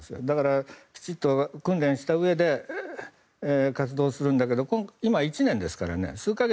だからきちんと訓練したうえで活動するんだけど今、１年ですからね。